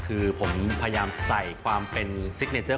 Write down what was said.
คือผมพยายามใส่ความเป็นซิกเนเจอร์